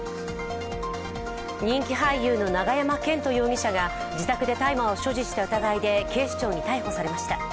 人気俳優の永山絢斗容疑者が自宅で大麻を所持した疑いで警視庁に逮捕されました。